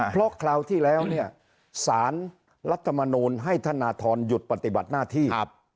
เพราะคราวที่แล้วเนี่ยสารรัฐมนูลให้ธนทรหยุดปฏิบัติหน้าที่